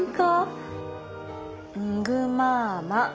「んぐまーま」。